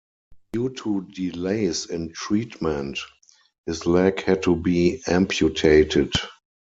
Due to delays in treatment, his leg had to be amputated.